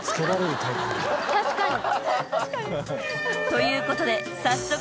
［ということで早速］